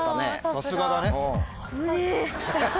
さすがだね。